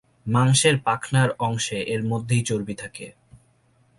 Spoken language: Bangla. মাংসের পাখনার অংশে এর মধ্যে ই চর্বি থাকে।